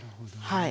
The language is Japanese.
はい。